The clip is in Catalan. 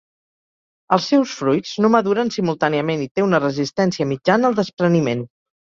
Els seus fruits no maduren simultàniament, i té una resistència mitjana al despreniment.